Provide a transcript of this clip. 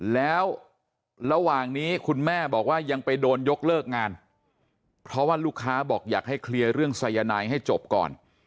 แล้วระหว่างนี้คุณแม่บอกว่ายังไปโดนยกเลิกงานเพราะว่าลูกค้าบอกอยากให้เคลียร์เรื่องสายนายให้จบก่อน